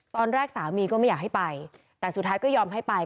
สามีก็ไม่อยากให้ไปแต่สุดท้ายก็ยอมให้ไป